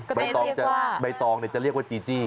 ก็ได้เรียกว่าใบตองจะเรียกว่าจีจี้